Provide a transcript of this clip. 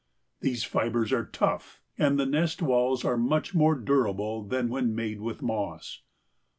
These fibers are tough and the nest walls are much more durable than when made with moss.